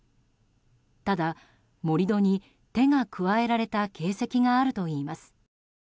ただ、盛り土に手が加えられた形跡があるといいます。